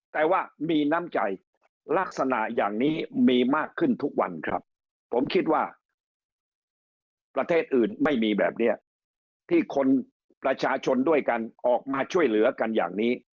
แต่ว่ามีน้ำใจลักษณะอย่างนี้มีมากขึ้นทุกวันครับผมคิดว่าประเทศอื่นไม่มีแบบนี้ที่คนประชาชนด้วยกันออกมาช่วยเหลือกันอย่างนี้